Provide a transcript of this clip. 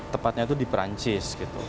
tepatnya itu di perancis